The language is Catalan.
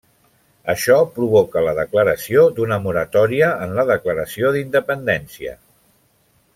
Això provoca la declaració d'una moratòria en la declaració d'independència.